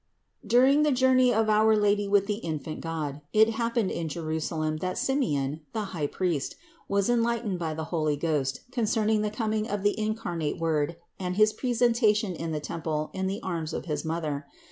591. During the journey of our Lady with the infant God, it happened in Jerusalem that Simeon, the high priest, was enlightened by the Holy Ghost concerning the coming of the incarnate Word and his presentation in the temple on the arms of his Mother.